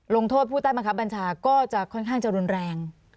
ลงโทษผู้ใต้บัญชาก็จะค่อนข้างรุนแรง